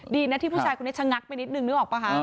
ดีนะที่ผู้ชายคนนี้ชะงัสไปน้อย